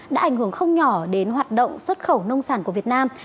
đã ảnh hưởng không nhỏ đến hoạt động xuất khẩu nông sản của việt nam